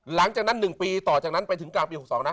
หลังจากนั้นหนึ่งปีต่อจากนั้นไปถึงกลางปีหกสิบสองนะ